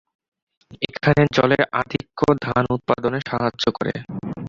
এখানে জলের আধিক্য ধান উৎপাদনে সাহায্য করে।